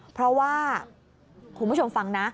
เพราะว่าคุณผู้ชมฟังนะ